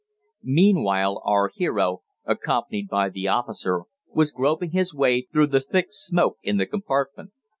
Meanwhile our hero, accompanied by the officer, was groping his way through the thick smoke in the compartment.